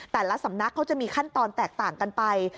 แต่ละสำนักเขาจะมีขั้นตอนแตกต่างกันไป